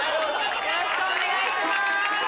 よろしくお願いします。